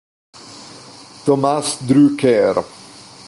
Tomáš Drucker